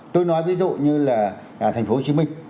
tôi nói ví dụ như là thành phố hồ chí minh